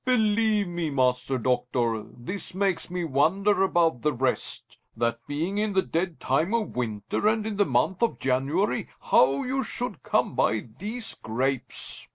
DUKE. Believe me, Master Doctor, this makes me wonder above the rest, that being in the dead time of winter and in the month of January, how you should come by these grapes. FAUSTUS.